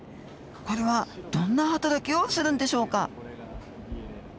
これはどんなはたらきをするんでしょうか。